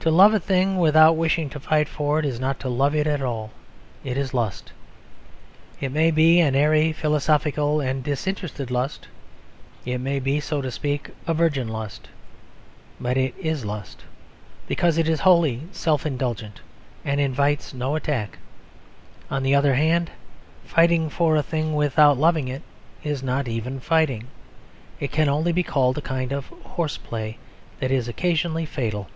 To love a thing without wishing to fight for it is not love at all; it is lust. It may be an airy, philosophical, and disinterested lust; it may be, so to speak, a virgin lust; but it is lust, because it is wholly self indulgent and invites no attack. On the other hand, fighting for a thing without loving it is not even fighting; it can only be called a kind of horse play that is occasionally fatal.